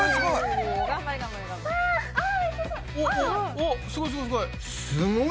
おっすごいすごいすごい。